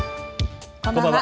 こんばんは。